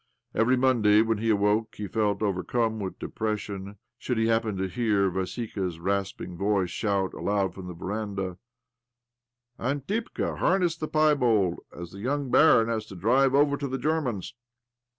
Every Monday, when he ' Squires, or gentry. OBLOMOV 147 awoke, he felt overcome with depression, should he hapipen to hear Vassika's rasping voice shout aloud from the veranda :" Antipka, harness the piebald, as the young barin has to drive over to the German's